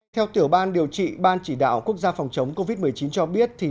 theo tiểu ban điều trị ban chỉ đạo quốc gia phòng chống covid một mươi chín cho biết